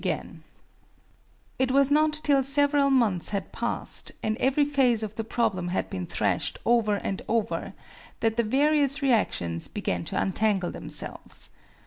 It was not till several months had passed, and every phase of the problem had been thrashed over and over, that the various reactions began to untangle themselves.